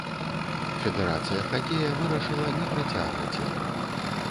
Федэрацыя хакея вырашыла не працягваць яго.